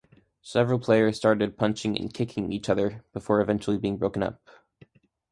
Several players started punching and kicking each other before eventually being broken up.